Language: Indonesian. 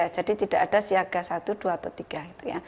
jadi tidak ada siaga satu dua atau tiga